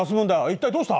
一体どうした！？